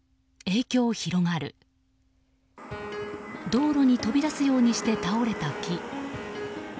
道路に飛び出すようにして倒れた木。